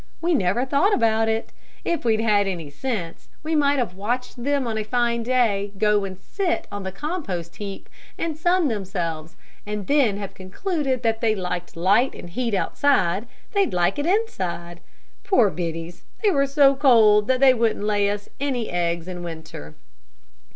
We never thought about it. If we'd had any sense, we might have watched them on a fine day go and sit on the compost heap and sun themselves, and then have concluded that if they liked light and heat outside, they'd like it inside. Poor biddies, they were so cold that they wouldn't lay us any eggs in winter."